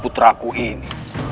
putra ku ini